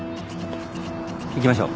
行きましょう。